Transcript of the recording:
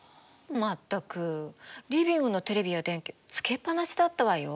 全くリビングのテレビや電気つけっぱなしだったわよ。